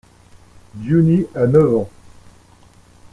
Jinhee a neuf ans.